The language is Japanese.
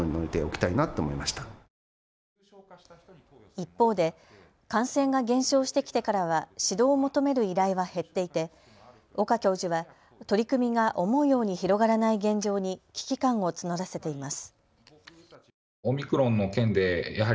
一方で感染が減少してきてからは指導を求める依頼は減っていて岡教授は取り組みが思うように広がらない現状に危機感を募らせています。